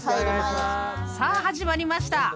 ［さあ始まりました。